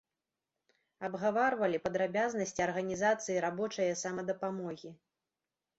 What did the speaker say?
Абгаварвалі падрабязнасці арганізацыі рабочае самадапамогі.